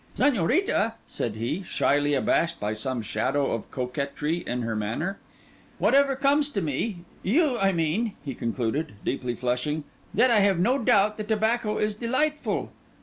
'Señorita,' said he, shyly abashed by some shadow of coquetry in her manner, 'whatever comes to me—you—I mean,' he concluded, deeply flushing, 'that I have no doubt the tobacco is delightful.